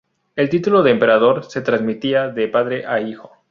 El título de emperador se transmitía de padre a hijo.